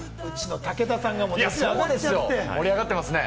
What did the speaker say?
武田さんがちょっと。盛り上がってますね。